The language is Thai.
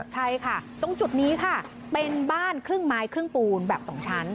ใช่ค่ะตรงจุดนี้ค่ะเป็นบ้านครึ่งไม้ครึ่งปูนแบบ๒ชั้น